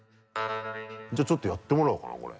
じゃあちょっとやってもらおうかなこれ。